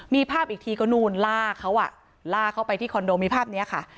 มีภาพอีกทีก็นู่นล่าเขาอ่ะล่าเข้าไปที่คอนโดมีภาพนี้ค่ะ